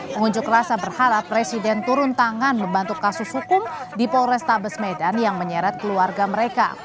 pengunjuk rasa berharap presiden turun tangan membantu kasus hukum di polrestabes medan yang menyeret keluarga mereka